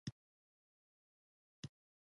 قومونه ولې ورونه دي؟